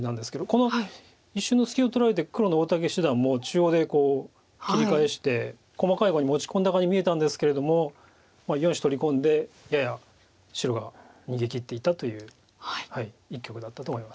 この一瞬の隙をとらえて黒の大竹七段も中央で切り返して細かい碁に持ち込んだかに見えたんですけれども４子取り込んでやや白が逃げきっていたという一局だったと思います。